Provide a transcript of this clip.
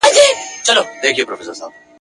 هېری څرنگه د مینی ورځی شپې سي ..